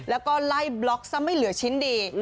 แล้วก็ไล่บล็อกซะไม่เหลือชิ้นดี